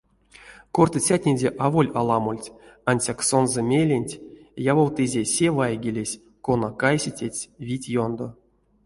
Кортыцятнеде аволь аламольть, ансяк сонзэ меленть явовтызе се вайгелесь, кона кайсететсь вить ёндо.